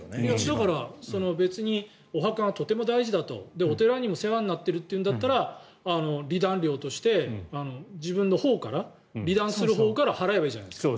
だから別にお墓はとても大事だとお寺にも世話になっているというんだったら離檀料として、自分のほうから離檀するほうから払えばいいじゃないですか。